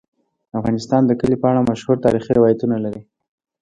افغانستان د کلي په اړه مشهور تاریخی روایتونه لري.